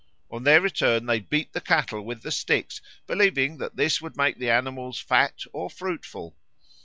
On their return they beat the cattle with the sticks, believing that this would make the animals fat or fruitful.